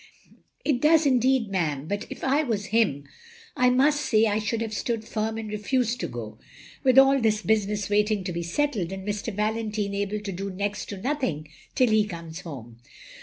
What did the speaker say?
"It does indeed, ma'am, but if I was him, I must say I should have stood firm and refused to go. With all this business waiting to be settled, and Mr. Valentine able to do next to nothing till he comes home.